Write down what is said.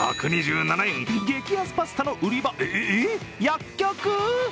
１２７円、激安パスタの売り場、えっ、薬局？